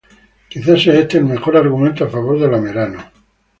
Quizá sea este el mejor argumento a favor de la Merano.